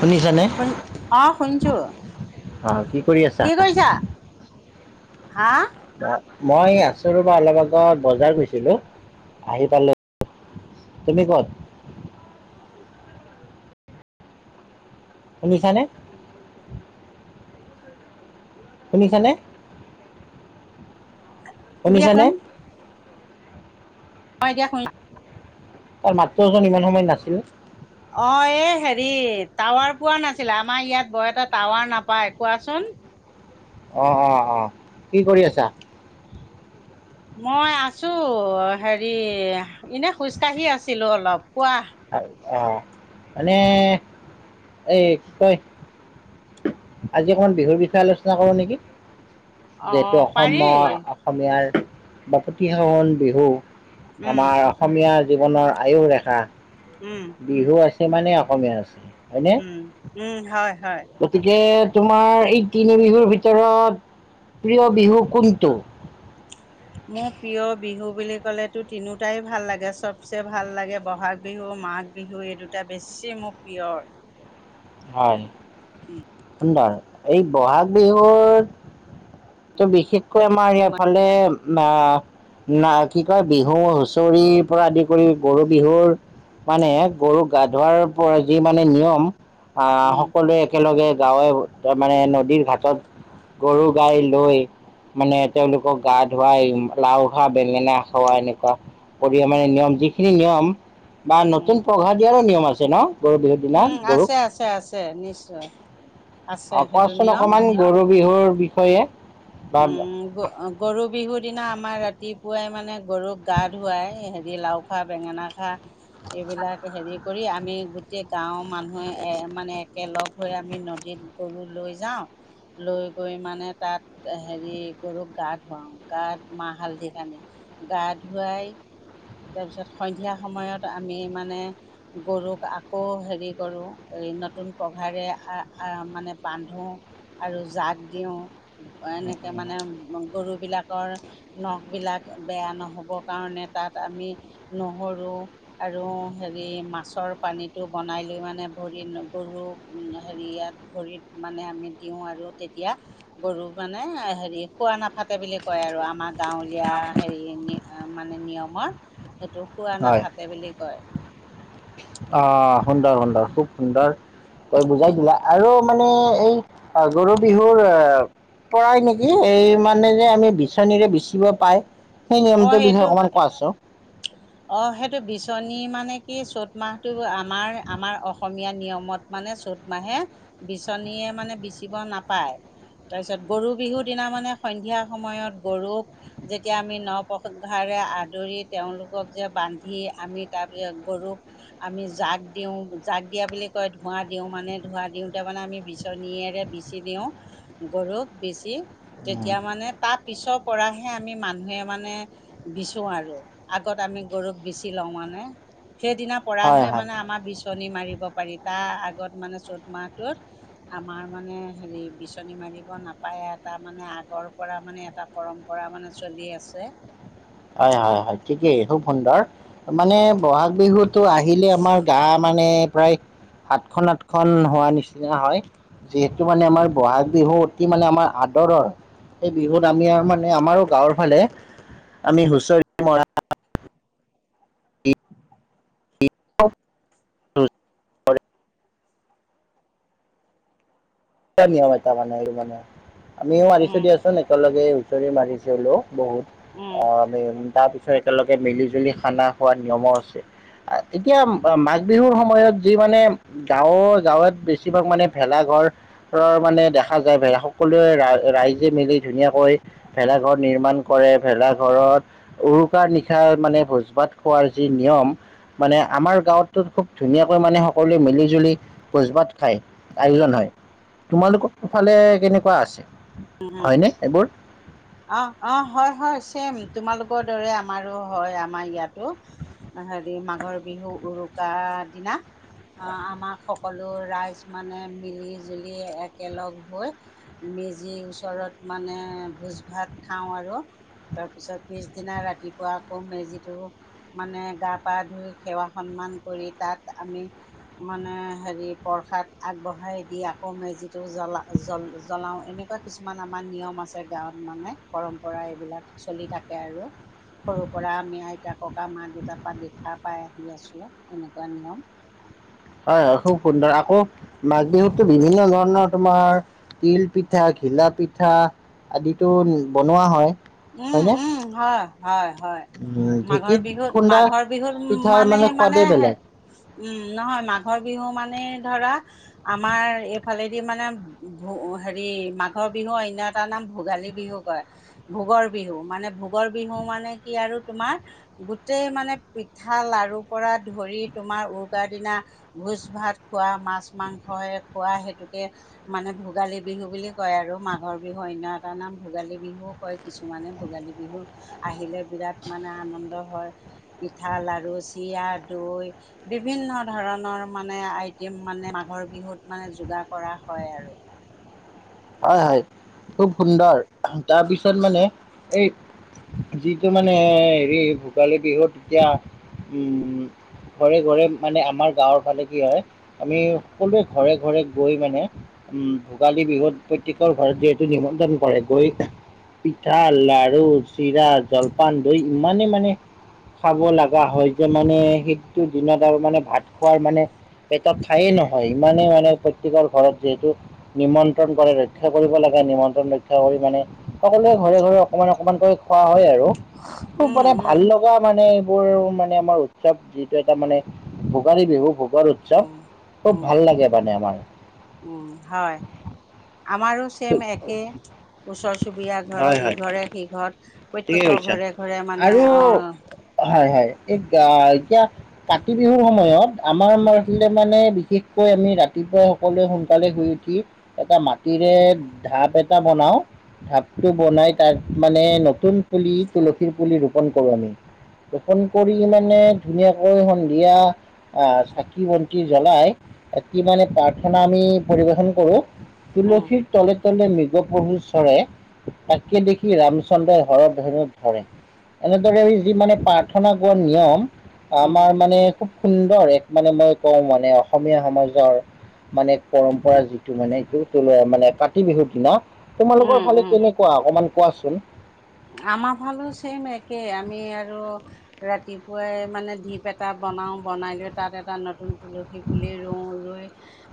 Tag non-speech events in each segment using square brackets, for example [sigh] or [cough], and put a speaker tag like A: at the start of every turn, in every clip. A: শুনিছানে?
B: আ শুনছোঁ
A: অ কি কৰি আছা?
B: কি কৰিছা? হা?
A: মই আছোঁ ৰবা, অলপ আগত বজাৰ গৈছিলোঁ, আহি পালোঁ। তুমি কত শুনিছানে? শুনিছানে?
B: তুমি
A: শুনিছানে?
B: [unintelligible] হয় [unintelligible]
A: তাৰ মাতটো চোন ইমান সময়ত নাছিলে।
B: অঁ এই হেৰি টাৱাৰ পোৱা নাছিলে আমাৰ ইয়াত বৰ এটা টাৱাৰ নাপায় কোৱাচোন
A: অহ, অহ, অহ, কি কৰি আছা?
B: মই আছো হেৰি এনে খোজ কাঢ়ি আছিলো অলপ কোৱা
A: অ', মানে [unintelligible] আজি অকমান বিহুৰ বিষয়ে আলোচনা কৰো নেকি?
B: অ
A: যিহেতু
B: পাৰি
A: অসমৰ অসমীয়াৰ বাপতিসাহন বিহু
B: উম
A: আমাৰ অসমীয়া জীৱনৰ আয়ু ৰেখা
B: উম
A: বিহু আছে মানে অসমীয়া আছে। হয়নে?
B: উম, উম, হয় হয়।
A: গতিকে তোমাৰ এই তিনি বিহুৰ ভিতৰত প্ৰিয় বিহু কোনটো?
B: মোৰ প্ৰিয় বিহু বুলি ক'লেতো তিনোটাই ভাল লাগে, চবচে ভাল লাগে বহাগ বিহু, মাঘ বিহু এই দুটা বেছি [unintelligible]
A: হয়, সুন্দৰ, এই বহাগ বিহুত ত' বিশেষকৈ আমাৰ ইফালে না, না কি কয় বিহু হুচৰি পৰা আদি কৰি গৰু বিহুৰ মানে গৰুক গা ধোৱাৰ পৰা যি মানে নিয়ম
B: উম
A: আহ সকলোৱে একেলগে গাঁৱে তাৰ মানে নদীৰ ঘাটত গৰু গাই লৈ মানে তেওঁলোকক গা ধুৱাই, লাও খা, বেঙেনা খোৱা এনেকুৱা পৰি মানে নিয়ম, যিখিনি নিয়ম বা
B: উম
A: নতুন পঘা দিয়াৰো নিয়ম আছে ন। গৰু বিহুৰ দিনা
B: উম,
A: গৰুক
B: আছে, আছে, আছে। নিশ্চয়। আছে
A: অ
B: সেইটো
A: কোৱাচোন
B: নিয়ম
A: অকমান গৰু বিহুৰ বিষয়ে বা
B: উম, গৰু বিহুত দিনা আমাৰ ৰাতিপুৱাই মানে গৰুক গা ধুৱাই, হেৰি লাও খা বেঙেনা খা। এইবিলাক হেৰি কৰি আমি, গোটেই গাঁওৰ মানুহে এ মানে একেলগ হৈ আমি নদীত গৰু লৈ যাওঁ লৈ গৈ মানে তাত হেৰি গৰুক গা ধুৱাওঁ, গাত মাহ হালধি সানি, গা ধুৱাই তাৰপিছত সন্ধিয়া সময়ত আমি মানে গৰুক আকৌ হেৰি কৰোঁ। নতুন পঘাৰে আ আ মানে বান্ধোআৰু জাক দিওঁ। এনেকৈ মানে গৰুবিলাকৰ নখবিলাক বেয়া নহ'বৰ কাৰণে তাত আমি নহৰু মাছৰ পানীটো বনাই লৈ মানে গৰু হেৰিয়াত ভৰিত মানে আমি দিওঁ আৰু তেতিয়া গৰু মানে হেৰি খোৱা নাথাকে বুলি কয় আৰু আমাৰ গাঁৱলীয়া হেৰি মানে নিয়মত সেইটো খোৱা
A: হয়
B: নাথাকে বুলি কয়
A: অ সুন্দৰ সুন্দৰ খুব সুন্দৰ ত' বুজাই দিলা, আৰু মানে এই গৰু বিহুৰ পৰাই নেকি এই মানে যে আমি বিচনীৰে বিচিব পাই সেই
B: অ
A: নিয়মটোৰ বিষয়ে
B: সেইটো
A: অকমান কোৱা আছো
B: অ সেইটো বিচনী মানে কি চ'ত মাহটো আমাৰ আমাৰ অসমীয়া নিয়মত মানে মানে চ'ত মাহে বিচনীয়ে মানে বিচিব নাপায় তাৰ পিছত গৰু বিহুৰ দিনা মানে সন্ধিয়া সময়ত গৰুক যেতিয়া আমি ন পঘাৰে আদৰি তেওঁলোক বান্ধি আমিাৰ গৰুক আমি জাগ দিওঁ জ দিয়া ক ধা দিওঁ মানে ধৱা দিওঁতোৰ মানে আমি বিচনীয়েৰে বিচি দিওঁ গৰুক বেছি
A: উম,
B: তেতিয়া মানে তাৰ পিছৰ পৰাহে আমি মানুহে মানে বিচো আৰু আগত আমি গৰুক বিচি লওঁ মানে সেইদিনাৰ
A: হয়
B: পৰাহে
A: হয়
B: মানে আমাৰ বিচনী নি মাৰিব পাৰি তাৰ আগত মানে চত মাহটোত আমাৰ মানে বাছনি মাৰিব নাপায় এটা মানে আগৰ পৰা মানে এটা পৰম্পৰা মানে চলি আছে।
A: হয় হয় হয় ঠিকেই খুব সুন্দৰ মানে বহাগ বিহুত তো আহিলে আমাৰ গা মানে প্ৰায় সাতখনন আঠখন হোৱা নিচিনা হয় যিহেতু মানে আমাৰ বহাগ বিহু অতি মানে আমাৰ আ ৰৰ এই বিহুত আমি মানে আমাৰো গাঁৱৰ ফালে আমি হুঁচৰি মৰা [unintelligible] ক নিয়ম এটা মানে এই মানে আমিও মাৰিছো
B: উম
A: দিয়াচোন একেলগে হুঁচৰি মাৰিছেলো বহুত
B: উম
A: আহ তাৰপিছত একেলগে মিলি জুলি খানা খোৱাৰ নিয়মো আছে। এতিয়া মাঘ বিহুৰ সময়ত যি মানে গাঁৱৰ গাঁৱত বেছিভাগ মানে ভেলা ঘৰ ৰ মানে দেখা যায় ভেলা সকলোৱে ৰাইজে মিলি ধুনীয়াকৈ ভেলাঘৰ নিৰ্মাণ কৰে। ভেলা ঘৰত উৰুকাৰ নিশাৰ মানে ভোজ ভাত খোৱাৰ যি নিয়ম। মানে আমাৰ গাঁৱ খুব ধুনীয়াকৈ মানে সকলোৱে মিলি জুলি ভোজ ভাত খায় আয়োজন হয়। তোমালোকৰ ফালে কেনেকুৱা আছে হয়নে এইবোৰ।
B: অ অ হয় হয় ছেম তোমালোকৰ দৰে আমাৰো হয় আমাৰ ইয়াতো হেৰি মাঘৰ বিহু উৰুকা দিনা। আহ আমাক সকলো ৰাইজ মানে মিলি জুলি একেলগ হৈ মেজি ওচৰত মানে ভোজ ভাত খাওঁ আৰু। তাৰপিছত পিছদিনা ৰাতিপুৱা আকৌ মেজিটো মানে গা পা ধুই সেৱা সন্মান। তাত আমি মানে হে প্ৰসাদ আগবঢ়াই দি আকৌ মেজিটো। জ জ্বলাও এনেকুৱা কিছুমান আমাৰ নিয়ম আছে গাঁৱত। মানে পৰম্পৰা এইবিলাক চলি থাকে আৰু। সৰুৰ পৰা আমি আইতা ককা মা দেউতা পা দি খা পাই আহি আছো এনেকুৱা নিয়ম।
A: উ [unintelligible] হয়-হয় খুব সুন্দৰ আকৌ মাঘ বিহুততো বিভিন্ন ধৰণৰ তোমাৰ তিল পিঠা। ঘিলা পিঠা আদিতো বনোৱা হয়। হয়নে?
B: উম-উম হয়-হয়-হয়,
A: উম
B: মাঘৰ
A: ঢেঁকীত
B: বিহুত
A: খুন্দা
B: মাঘৰ বিহুত উ
A: পিঠাৰ
B: মানে মানে
A: সোৱাদেই বেলেগ
B: উম নহয় মাঘ মাঘ বিহু মানে ধৰা আমাৰ এই ফালেদি মানে ভোগ হেৰি মাঘৰ বিহু অন্য এটাাৰ নাম ভোগালী বিহু কয়। ভোগৰ বিহু মানে ভোগৰ বিহু মানে কি আৰু তোমাৰ গোটেই মানে পিঠা লা ত পৰা ধৰি তোমাৰ উৰুকা দিনা ভোজ ভাত খোৱা মাছ মাংসে খোৱা। সেইটোকে মানে ভোগালী বিহু বুলি কয় আৰু মাঘৰ বিহু অন্য এটা নাম ভোগালী বিহুও কয়। কিছুমানে ভোগালী বিহু আহিলে বিৰাট মানে আনন্দ হয়। পিঠা লডাৰু চ হিয় দৈ বিভিন্ন ধৰণৰ মানে আইটেম মানে মাঘৰ বিহুত মানে যোগাৰ। কৰা হয় আৰু।
A: হয়-হয় খুব সুন্দৰ তাৰপিছত মানে এই যিটো মানে হেৰি ভোগালী বিহু তেতিয়া উ ঘৰে ঘৰে মানে আমাৰ গাঁৱৰ ফালে কি হয় আমি সকলোৱে ঘৰে ঘৰে গৈ মানে উ ভোগালী বিহুত প্ৰত্যেকৰ ঘৰত যিহেতু নিমন্ত্ৰণ কৰে গৈ। পিঠা লাৰু চিৰা জলপান দৈ ইমানেই মানে। খাব লাগা হয় যে মানে সেইটো দিনত আৰু মানে ভাত খোৱাৰ মানে। পেটত ঠায়েই নহয় ইমানেই মানে প্ৰত্যযকৰে ঘৰত যিহেতু নিমন্ত্ৰণ। ৰক্ষা কৰিব লাগে নিমন্ত্ৰণ ৰক্ষা কৰি মানে সকলোৱে ঘৰে ঘৰে অকমান অকমানকৈ খোৱা হয় আৰু। খুব
B: উম,
A: মানে
B: উম,
A: ভাল লগা মানে। মানে আমাৰ উৎসৱ যিটো এটা মানে ভোগালী বিহু। ডাঙৰ উৎসৱ
B: উম,
A: খুব
B: উম,
A: ভাল লাগে মানে আমাৰ।
B: উম, হয় আমাৰো চছেম একে ওচৰ চুবুৰীয়া
A: হয়
B: ঘৰত
A: হয়
B: ইঘৰে সিঘৰত
A: ঠিকে
B: প্ৰত্যেকৰ
A: কৈছা
B: ঘৰে-ঘৰে মানে অহ,
A: হয়-হয় এই এতিয়া কাতি বিহুৰ সময়ত আমাৰ ইফালে মানে বিশেষকৈ আমি ৰাতিপুৱা সকলোৱে সোনকালে শুই উঠি এটা মাটিৰে ঢাপ এটা বনাও। ঢাপটো বনাই তাত মানে নতুন পুলি তুলসীৰ পুলি ৰোপন কৰোঁ আমি। ৰোপন কৰি মানে ধুনীয়াকৈ সন্ধিয়া। আহ চাকি বন্তি জ্বলাই কি মানে প্ৰাৰ্থনা আমি পৰিবেশন কৰো।
B: উম,
A: তুলসীৰ তলে তলে মৃগ পশু চৰে তাকে দেখি ৰামচন্দ্ৰই। ঘৰত বহি বহি ধৰে এনেদৰে যি মানে প্ৰাৰ্থনা কৰোৱা নিয়ম।
B: উম,
A: আমাৰ মানে খুব সুন্দৰ এক মানে মই কওঁ মানে অসমীয়া সমাজৰ মানে পৰম্পৰা যিটো মানে এইটো তলুৱা মানে কাতি বিহুৰ দিনাত।
B: উম,
A: তোমালোকৰ ফালে
B: উম।
A: কেনেকুৱা অকমান কোৱাচোন।
B: আমাৰ ফালেও ছেইম একে আমি আৰু ৰাতিপুৱাই মানে ধীপ এটা বনাও বনাই লৈ তাত এটা নতুন। তুলসী পুলি ৰুওঁ ৰুই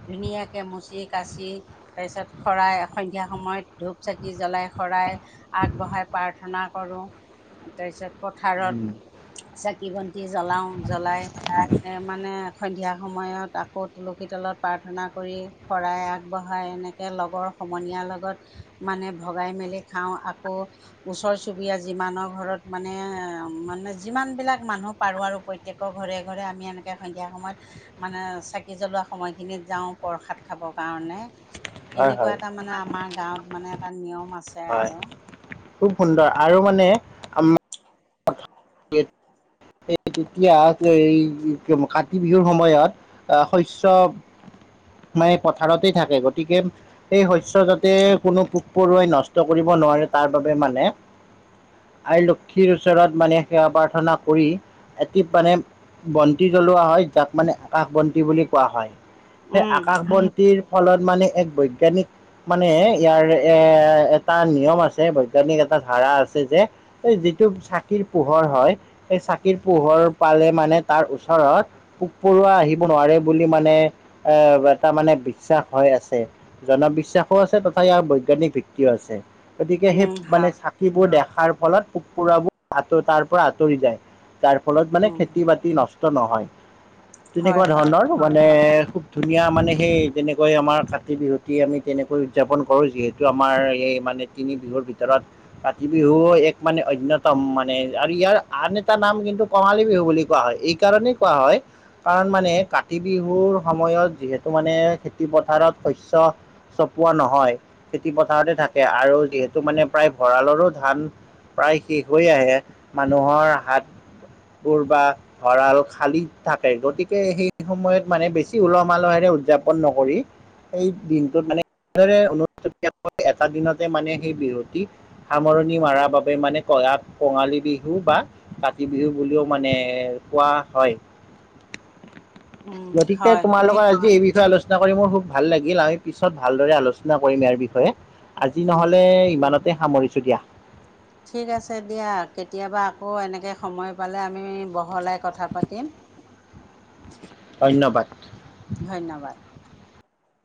B: ধুনীয়াকে মুচি কাচি তাৰপিছত শৰাই সন্ধিয়া সময়ত ধূপ চাকি জ্বলাই শৰাই আগবঢ়াই প্ৰাৰ্থনা কৰোঁ তাৰপিছত পথাৰত চাকি- বন্তি জ্বলাওঁ। জ্বলাই এ মানে সন্ধিয়া সময়ত আকৌ তুলসী তলত প্ৰাৰ্থনা কৰি শৰাই আগবঢ়াই এনেকে লগৰ সমনীয়াৰ লগত মানে ভগাই মেলি খাওঁ আকৌ ওচৰ চুবুৰীয়া যিমানৰ ঘৰত মানে-মানে যিমান বিলাক মানুহ পাৰো আৰু প্ৰত্যেকৰ ঘৰ ঘৰে-ঘৰে আমি এনেকৈ সন্ধিয়া সময়ত মানে চাকি জ্বলোৱা সময়খিনিত যাওঁ প্ৰসাদ খাবৰ কাৰণ মানে
A: হয় হয়
B: এনেকুৱা এটা মানে আমাৰ গাঁৱত মানে এটা নিয়ম আছে
A: হয়
B: আৰু।
A: খুব সুন্দৰ আৰু মানে আমাৰ [unintelligible] এই তেতিয়া এই কাতি বিহুৰ সময়ত অ, শস্য মানে পথাৰতে থাকে গতিকে এই শস্য যাতে কোনো পোক পৰুৱাই নষ্ট ট কৰিব নোৱাৰে তাৰ বাবে মানে আই লক্ষীৰ ওচৰত মানে সেৱা প্ৰাৰ্থনা কৰি এটি মানে বন্তি জ্বলোৱা হয় যাক মানে আকাশ বন্তি বুলি কোৱা হয়। সেই
B: উম
A: আকাশ বন্তিৰ ফলত মানে এক বৈজ্ঞানিক মানে ইয়াৰ এ এটা নিয়ম আছে বৈজ্ঞানিক এটা ধাৰা আছে যে এই যিটো চাকিৰ পোহৰ হয় সেই চা চাকিৰ পোহৰ পালে মানে তাৰ ওচৰত পোক পৰুৱা আহিব নোৱাৰে বুলি মানে এটা মানে বিশ্বাস হৈ আছে জনবিশ্বাসো আছে তথাপি ইয়াৰ বৈজ্ঞানিক ভিত্তিও আছে। গতিকে সেই
B: উম হা
A: মানে চাকিবোৰ দেখাৰ ফলত পোক পোৰুৱা বোৰ তাৰ পৰা আঁতৰি যায়। যাৰ ফলত মানে
B: উম
A: খেতি বাতি নষ্ট নহয়
B: হয়
A: তেনেকুৱা
B: হয়
A: ধৰণৰ মানে খুব ধুনীয়া মানে সেই যেনেকৈ আমাৰ কাতি বিহুত আমি তেনেকৈ উৎযাপন কৰোঁ যিহেতু আমাৰ এই মানে তিনি বিহুৰ ভিতৰত কাতি বিহু এক মানে অন্যতম মানে আৰু ইয়াৰ আন এটা না নাম কিন্তু কঙালী বিহু বুলি কোৱা হয় এই কাৰণেই কোৱা হয় কাৰণ মানে কাতি বিহুৰ সময়ত ত' যিহেতু মানে খেতি পথাৰত শস্য, চপোৱা নহয়, খেতি পথাৰতে থাক এয়া আৰু যিহেতু মানে প্ৰায় ভঁৰালৰো ধান। প্ৰায় শেষ হৈ আহে, মানুহৰ হাত বোৰ বা ভঁৰাল খালি থাকে গতিকে সেই সময়ত মানে বেছি উলহ মলহেৰে উদযাপন নকৰি, সেই দিনটোত মানে [unintelligible] সাত দিনতে মানে সেই বিহুটি, সামৰণি মাৰাৰ বাবে মানে [unintelligible] কঙালী বিহু বা, কাতি বিহু বুলিও মানে, কোৱা হয়।
B: উম
A: গতিকে
B: হয়
A: তোমাৰ
B: তুমি
A: লগত আজি এই বিষয়ে আলোচ চনা কৰি মোৰ খুব ভাল লাগিল আমি পিছত ভালদৰে আলোচনা কৰিম ইয়াৰ বিষয়ে, আজি
B: উম
A: নহলে ইমানত তে সামৰিছোঁ দিয়া।
B: ঠিক আছে দিয়া কেতিয়াবা আকৌ এনেকে সময় পালে আমি, বহলাই কথা পাতিম।
A: ধন্যবাদ।
B: ধন্যবাদ